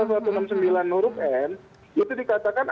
itu dikatakan ada dua norma di pasal ini